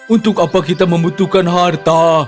untuk apa kita membutuhkan harta